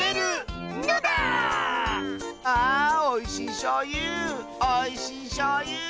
あおいしいしょうゆおいしいしょうゆ。